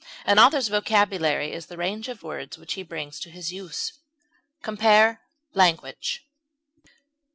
An author's vocabulary is the range of words which he brings into his use. Compare LANGUAGE.